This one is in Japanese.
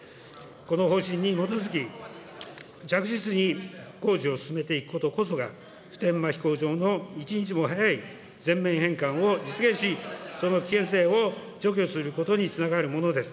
この方針に基づき、着実に工事を進めていくことこそが、普天間飛行場の一日も早い全面返還を実現し、その危険性を除去することにつながるものです。